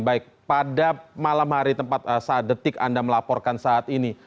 baik pada malam hari tempat saat detik anda melaporkan saat ini